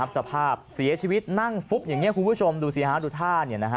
สภาพเสียชีวิตนั่งฟุบอย่างนี้คุณผู้ชมดูสิฮะดูท่า